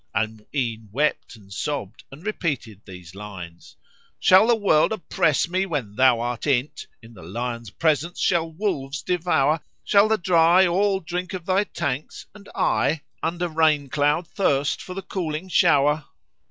Al Mu'ín wept and sobbed and repeated these lines, "Shall the World oppress me when thou art in't? * In the lion's presence shall wolves devour? Shall the dry all drink of thy tanks and I * Under rain cloud thirst for the cooling shower?"